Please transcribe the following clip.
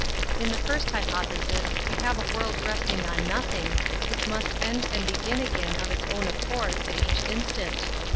In the first hypothesis we have a world resting on nothing, which must end and begin again of its own accord at each in stant.